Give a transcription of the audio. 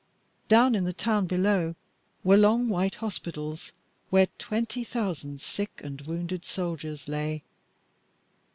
Down in the town below were long white hospitals where twenty thousand sick and wounded soldiers lay.